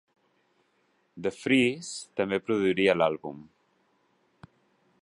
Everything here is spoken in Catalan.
DeFries també produiria l'àlbum.